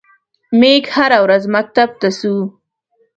میږ هره ورځ مکتب ته څو.